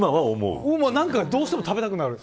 どうしても食べたくなる。